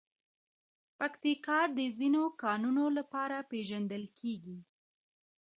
پکتیکا د ځینو کانونو لپاره پېژندل کېږي.